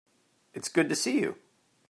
It's good to see you.